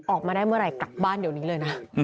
ออกมาได้เมื่อไหร่กลับบ้านเดี๋ยวนี้เลยนะ